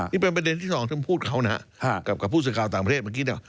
นี่เป็นประเด็นที่สองที่ผมพูดเขานะกับผู้สื่อคราวต่างประเทศ